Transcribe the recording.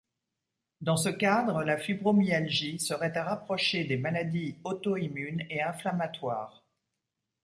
Dans ce cadre la fibromyalgie serait à rapprocher des maladies auto-immunes et inflammatoires.